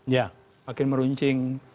ya makin meruncing